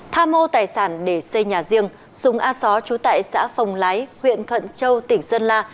tha mô tài sản để xây nhà riêng súng a xó trú tại xã phòng lái huyện thuận châu tỉnh sơn la